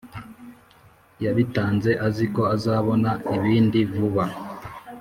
yabitanze aziko azabona ibindi vuba